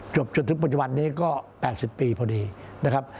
จนถึงปัจจุบันนี้ก็๘๐ปีพอดีนะครับ